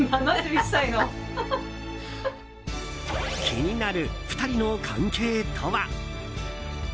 気になる２人の関係とは。